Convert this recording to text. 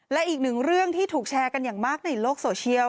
และอีกหนึ่งเรื่องที่ถูกแชร์กันอย่างมากในโลกโซเชียล